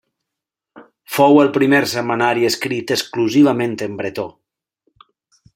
Fou el primer setmanari escrit exclusivament en bretó.